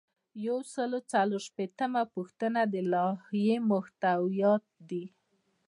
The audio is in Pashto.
یو سل او څلور شپیتمه پوښتنه د لایحې محتویات دي.